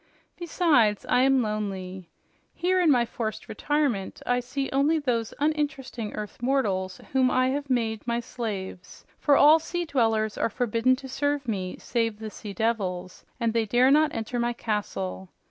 Besides, I am lonely. Here in my forced retirement I see only those uninteresting earth mortals whom I have made my slaves, for all sea dwellers are forbidden to serve me save the sea devils, and they dare not enter my castle.